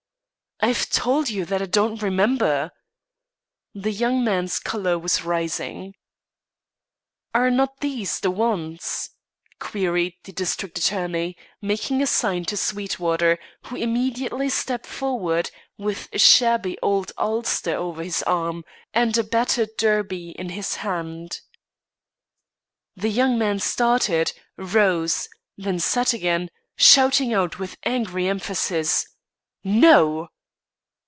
"I've told you that I don't remember." The young man's colour was rising. "Are not these the ones?" queried the district attorney, making a sign to Sweetwater, who immediately stepped forward, with a shabby old ulster over his arm, and a battered derby in his hand. The young man started, rose, then sat again, shouting out with angry emphasis: "_No!